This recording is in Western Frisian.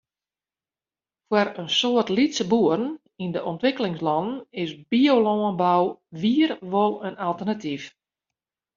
Foar in soad lytse boeren yn de ûntwikkelingslannen is biolânbou wier wol in alternatyf.